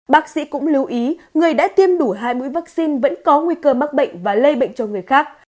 bác sĩ cũng lưu ý người đã tiêm đủ hai mũi vaccine vẫn có nguy cơ mắc bệnh và lây bệnh cho người khác